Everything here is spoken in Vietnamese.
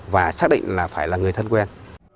và xác định là phải là người thân quen